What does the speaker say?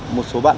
một số bạn